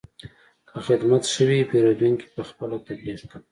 که خدمت ښه وي، پیرودونکی پخپله تبلیغ کوي.